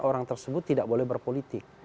orang tersebut tidak boleh berpolitik